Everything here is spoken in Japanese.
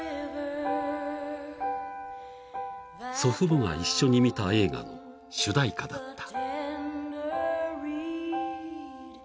［祖父母が一緒に見た映画の主題歌だった］